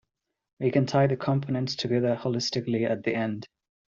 We can tie the components together holistically at the end.